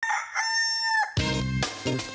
บุคลุณหลาย